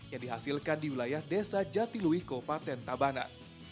yang dihasilkan di wilayah desa jatilui kopaten tabanan